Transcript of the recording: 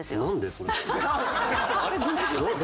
それ。